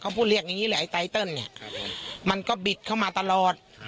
เขาพูดเรียกอย่างนี้แหละไอไตเติลเนี่ยมันก็บิดเข้ามาตลอด